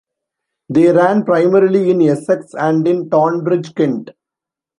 They ran primarily in Essex and in Tonbridge, Kent.